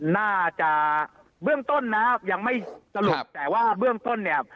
น่าจะเบื้องต้นนะครับยังไม่สรุปแต่ว่าเบื้องต้นเนี่ย